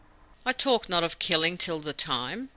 "I talk not of killing till the time.